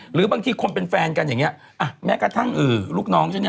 หรือบางทีคนเป็นแฟนกันอย่างนี้แม้กระทั่งลูกน้องฉันเนี่ย